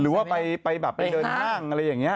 หรือว่าไปแบบไปเดินห้างอะไรอย่างนี้